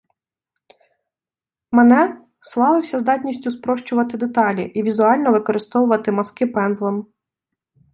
Мане славився здатністю спрощувати деталі і вільно використовувати мазки пензлем.